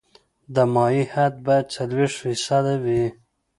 د مایع حد باید څلوېښت فیصده وي